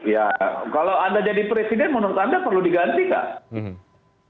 ya kalau anda jadi presiden menurut anda perlu diganti nggak